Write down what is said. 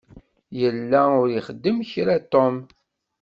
Yella ur ixeddem kra Tom.